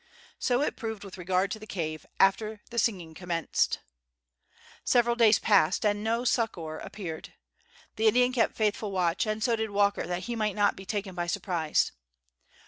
So it proved with regard to the cave, after the singing commenced. Several days passed, and no succor appeared. The Indian kept faithful watch, and so did Walker, that he might not be taken by surprise.